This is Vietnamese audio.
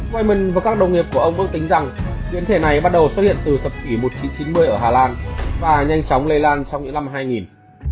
wimond và các đồng nghiệp của ông ước tính rằng biến thể này bắt đầu xuất hiện từ thập kỷ một nghìn chín trăm chín mươi ở hà lan và nhanh chóng lây lan trong những năm hai nghìn